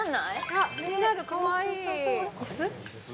あっ気になるかわいい椅子？